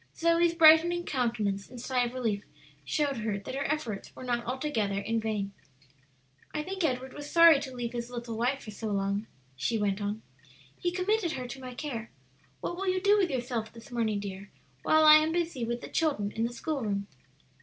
Zoe's brightening countenance and sigh of relief showed her that her efforts were not altogether in vain. "I think Edward was sorry to leave his little wife for so long," she went on. "He committed her to my care. What will you do with yourself this morning, dear, while I am busy with the children in the school room?"